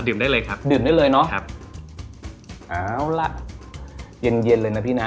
ได้เลยครับดื่มได้เลยเนอะครับเอาล่ะเย็นเย็นเลยนะพี่นะ